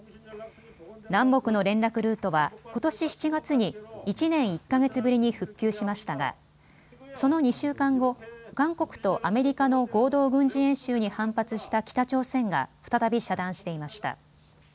南北の連絡ルートはことし７月に１年１か月ぶりに復旧しましたがその２週間後、韓国とアメリカの合同軍事演習に反発した北朝鮮が再び遮断していました。